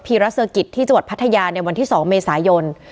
รัสเซอร์กิจที่จังหวัดพัทยาในวันที่๒เมษายน